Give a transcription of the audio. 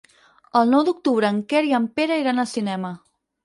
El nou d'octubre en Quer i en Pere iran al cinema.